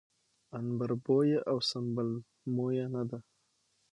عنبربويه او سنبل مويه نه ده